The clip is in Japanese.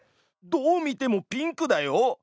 どう見てもピンクだよ！